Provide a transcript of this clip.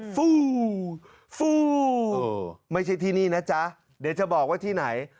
ฟูฟู้ไม่ใช่ที่นี่นะจ๊ะเดี๋ยวจะบอกว่าที่ไหน